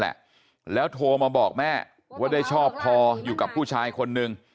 แหละแล้วโทรมาบอกแม่ว่าได้ชอบพออยู่กับผู้ชายคนนึง